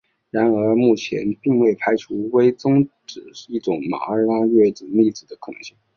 然而目前并未排除微中子是一种马约拉纳粒子的可能性。